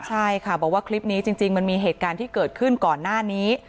ใช่ค่ะบอกว่าคลิปนี้จริงมันมีเหตุการณ์ที่เกิดขึ้นก่อนหน้านี้